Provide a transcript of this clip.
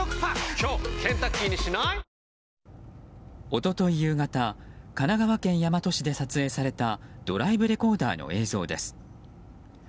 一昨日夕方神奈川県大和市で撮影されたドライブレコーダーの映像です。